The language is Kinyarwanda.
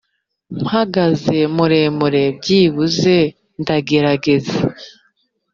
mpagaze muremure, byibuze ndagerageza,